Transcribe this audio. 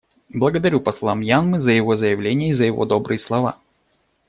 Благодарю посла Мьянмы за его заявление и за его добрые слова.